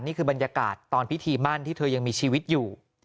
นี่คือบรรยากาศตอนพิธีมั่นที่เธอยังมีชีวิตอยู่